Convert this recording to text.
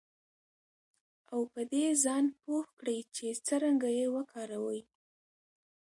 او په دې ځان پوه کړئ چې څرنګه یې وکاروئ